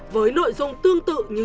với nội dung tương tự như